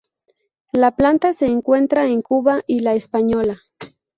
La planta se encuentra en Cuba y La Española.